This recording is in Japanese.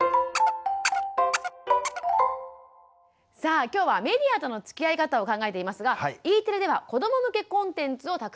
さあ今日は「メディアとのつきあい方」を考えていますがＥテレでは子ども向けコンテンツをたくさん制作しています。